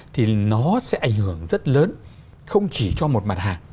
thì nó sẽ ảnh hưởng rất lớn không chỉ cho một mặt hàng